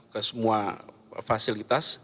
ke semua fasilitas